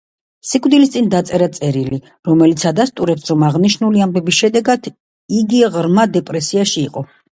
სიკვდილის წინ დაწერა წერილი, რომელიც ადასტურებს, რომ აღნიშნული ამბების შედეგად იგი ღრმა დეპრესიაში იყო.